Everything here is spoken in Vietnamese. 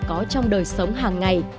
có trong đời sống hàng ngày